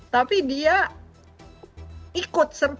tapi dia ikut serta melindungi israel